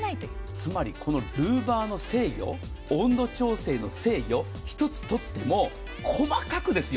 つまりこのルーバーの制御温度調整の制御１つ取っても細かくですよ。